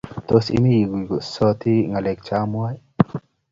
Tos, imi iguisoti ngalek chamwaun?